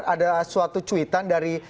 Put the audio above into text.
ada suatu cuitan dari